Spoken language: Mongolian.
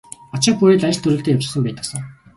Очих бүрий л ажил төрөлтэй явчихсан байдаг сан.